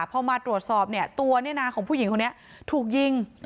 พอมาตรวจสอบเนี่ยตัวของผู้หญิงคนนี้ถูกยิง